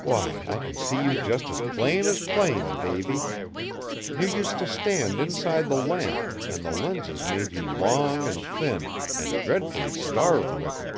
Why, I can see you just as plain as plain, Davy! You used to stand inside the lamp and the lenses made you long and thin and dreadfully starved looking."